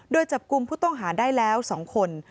โดยจับกลุ่มผู้ต้องหาได้แล้ว๒คน